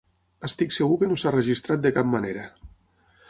Estic segur que no s'ha registrat de cap manera.